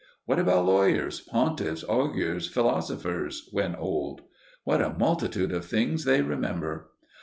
What about lawyers, pontiffs, augurs, philosophers, when old? What a multitude of things they remember!